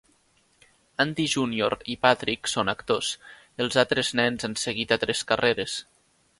Andy Junior i Patrick són actors; els altres nens han seguit altres carreres.